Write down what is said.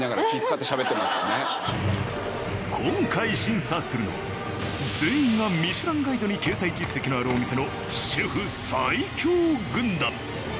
今回審査するのは全員が『ミシュランガイド』に掲載実績のあるお店の。